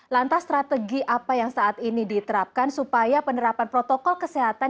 lantas strategi apa yang saat ini diterapkan supaya penerapan protokol kesehatan